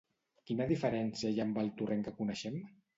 ¿Quina diferència hi ha amb el Torrent que coneixem?